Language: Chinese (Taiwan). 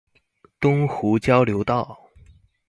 東湖交流道